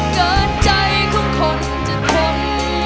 เกิดใจของคนจะเทิม